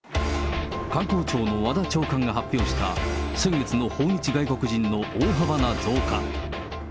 観光庁の和田長官が発表した先月の訪日外国人の大幅な増加。